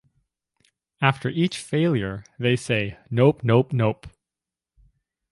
After each failure they say "nope nope nope".